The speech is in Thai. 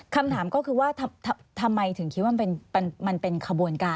คำถามก็คือว่าทำไมถึงคิดว่ามันเป็นขบวนการ